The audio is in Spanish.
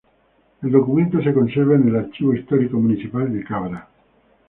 El documento se conserva en el archivo histórico municipal de Cabra.